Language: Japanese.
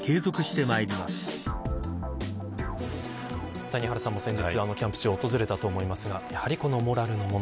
谷原さんも先日キャンプ地を訪れたと思いますがやはりモラルの問題